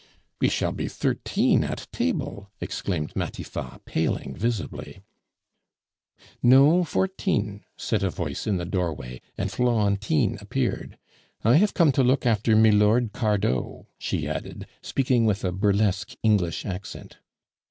"We shall be thirteen at table!" exclaimed Matifat, paling visibly. "No, fourteen," said a voice in the doorway, and Florentine appeared. "I have come to look after 'milord Cardot,'" she added, speaking with a burlesque English accent.